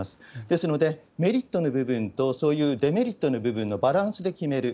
ですので、メリットの部分と、そういうデメリットの部分のバランスで決める。